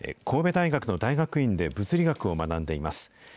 神戸大学の大学院で物理学を学んでいます。